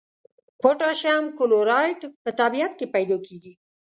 پوتاشیم کلورایډ په طبیعت کې پیداکیږي.